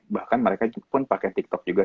bahkan mereka pun pakai tiktok juga